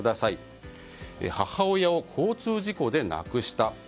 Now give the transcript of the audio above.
母親を交通事故で亡くした。